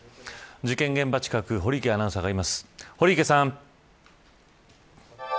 事件現場近く堀池アナウンサーがいます堀池さん。